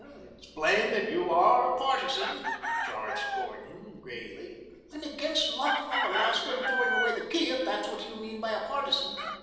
"It's plain that you are a partisan," charged Gordon gayly. "I'm against locking up Alaska and throwing away the key, if that is what you mean by a partisan.